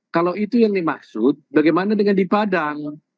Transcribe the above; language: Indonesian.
kalau itu yang dimaksud bagaimana dengan di padang